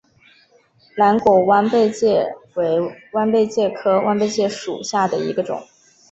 蓝果弯贝介为弯贝介科弯贝介属下的一个种。